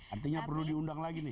artinya perlu diundang lagi nih